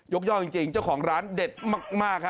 ย่องจริงเจ้าของร้านเด็ดมากฮะ